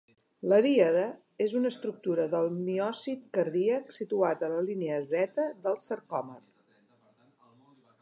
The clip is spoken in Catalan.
La díade és una estructura del miòcit cardíac situat a la línia Z del sarcòmer.